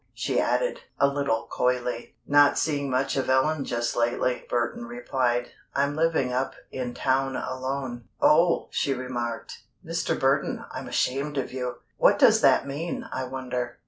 she added, a little coyly. "Not seeing much of Ellen just lately," Burton replied. "I'm living up in town alone." "Oh!" she remarked. "Mr. Burton, I'm ashamed of you! What does that mean, I wonder?